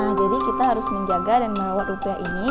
nah jadi kita harus menjaga dan merawat rupiah ini